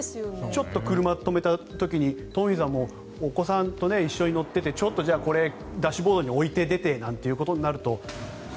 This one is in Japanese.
ちょっと車を止めた時にトンフィさんもお子さんと一緒に乗っていてこれダッシュボードに置いて出てということになると。